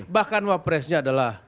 bahkan wapresnya adalah